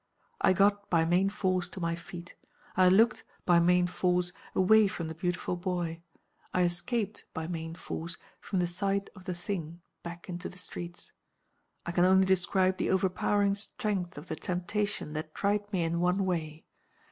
"I got, by main force, to my feet; I looked, by main force, away from the beautiful boy; I escaped, by main force, from the sight of the Thing, back into the streets. I can only describe the overpowering strength of the temptation that tried me in one way.